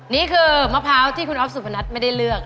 นี่คือมะพร้าวที่คุณอ๊อฟสุพนัทไม่ได้เลือก